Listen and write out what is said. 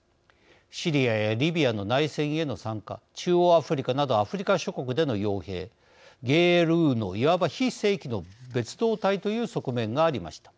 シリアやリビアの内戦への参加中央アフリカなどアフリカ諸国でのよう兵ＧＲＵのいわば非正規の別動隊という側面がありました。